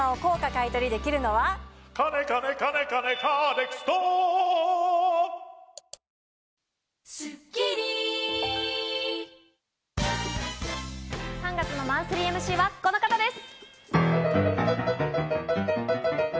カネカネカネカネカーネクスト３月のマンスリー ＭＣ はこの方です！